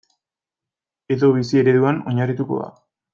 Edo bizi ereduan oinarrituko da.